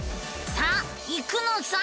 さあ行くのさ！